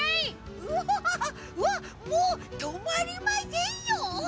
わわっもうとまりませんよ！